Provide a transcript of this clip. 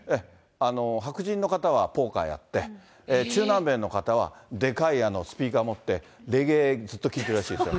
白人の方はポーカーやって、中南米の方はでかいスピーカー持って、レゲエずっと聴いてるらしいですよ。